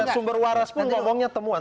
sumber waras pun ngomongnya temuan